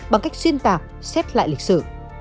bằng cách xuyên tạp xếp lại lịch sử